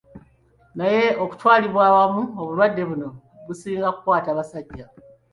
Naye okutwaliza awamu, obulwadde buno businga kukwata basajja